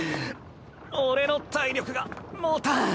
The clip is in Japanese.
俺の体力がもたん！